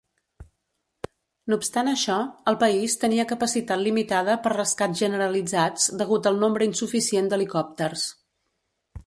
No obstant això, el país tenia capacitat limitada per rescats generalitzats degut al nombre insuficient d'helicòpters.